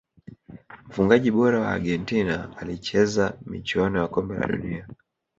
mfungaji bora wa argentina alicheza michuani ya kombe la dunia